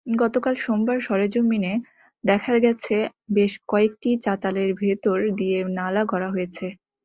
গতকাল সোমবার সরেজমিনে দেখা গেছে, বেশ কয়েকটি চাতালের ভেতর দিয়ে নালা করা হয়েছে।